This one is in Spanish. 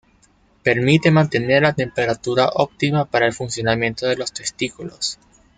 Permite mantener la temperatura óptima para el funcionamiento de los testículos.